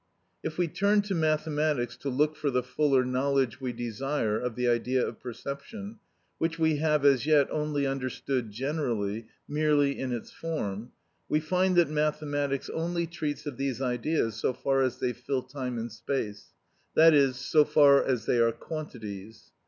If we turn to mathematics to look for the fuller knowledge we desire of the idea of perception, which we have, as yet, only understood generally, merely in its form, we find that mathematics only treats of these ideas so far as they fill time and space, that is, so far as they are quantities.